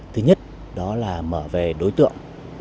thứ nhất đó là mở về đối tượng